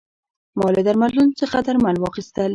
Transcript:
ما له درملتون څخه درمل واخیستل.